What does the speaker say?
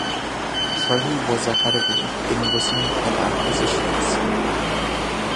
Charlie was ahead of me in listening and acquisitions.